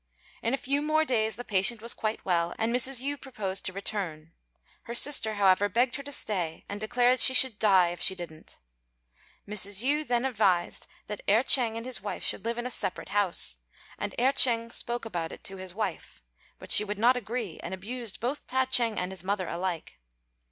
In a few more days the patient was quite well, and Mrs. Yü proposed to return; her sister, however, begged her to stay, and declared she should die if she didn't. Mrs. Yü then advised that Erh ch'êng and his wife should live in a separate house, and Erh ch'êng spoke about it to his wife; but she would not agree, and abused both Ta ch'êng and his mother alike.